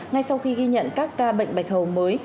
ngay sau khi ghi nhận các ca bệnh bạch hầu mới